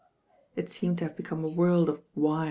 It seemed to have become a world of "Whys."